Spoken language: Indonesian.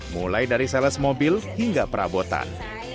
mulai dari sales mobil hingga perabotan